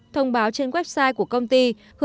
thông báo trên website của công ty